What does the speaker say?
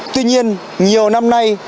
tuy nhiên nhiều năm nay